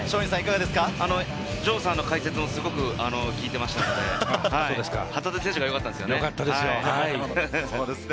城さんの解説もすごくきいてましたので、旗手選手がよかったんですよね。